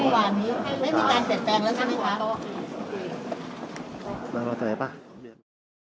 มันมีการเปลี่ยนแปลงแล้วใช่มั้ยคะ